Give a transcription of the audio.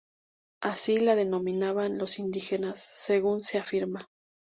Así la denominaban los indígenas, según se afirma.